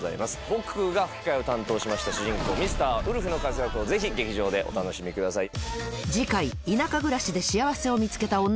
僕が吹き替えを担当しました主人公ミスター・ウルフの活躍をぜひ劇場でお楽しみください。